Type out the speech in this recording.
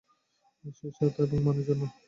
সেই স্বাদ এবং মানের জন্য।